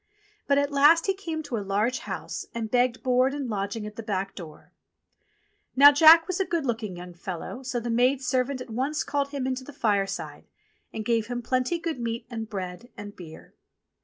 But at last he came to a large house and begged board and lodging at the back door. Now Jack was a good looking young fellow, so the maid servant at once called him into the fireside and gave him plenty good meat and bread and beer.